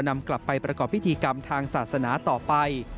นำกลับไปประกอบพิธีกรรมทางศาสนาต่อไป